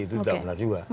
itu tidak benar juga